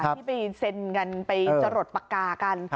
ที่ไปเซ็นกันไปจรดปากกากัน